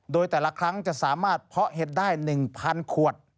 โดยแต่ละครั้งจะสามารถเพาะเห็ดได้๑๐๐ขวด